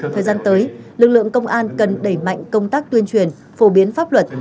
thời gian tới lực lượng công an cần đẩy mạnh công tác tuyên truyền phổ biến pháp luật